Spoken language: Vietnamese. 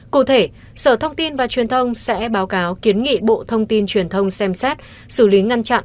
cụ thể sở thông tin và truyền thông sẽ báo cáo kiến nghị bộ thông tin truyền thông xem xét xử lý ngăn chặn